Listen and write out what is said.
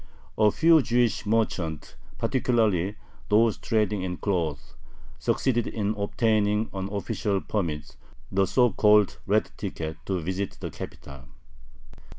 A few Jewish merchants, particularly those trading in cloth, succeeded in obtaining an official permit, the so called "red ticket," to visit the capital.